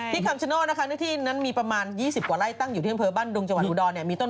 ที่คำชะโน่นนะคะนึกที่นั้นมีประมาณ๒๐กว่าไร่ตั้งอยู่ที่เผื้อบ้านดงจัวร์หูดอนเนี่ย